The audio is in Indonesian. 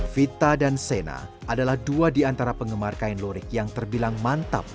vita dan sena adalah dua di antara penggemar kain lurik yang terbilang mantap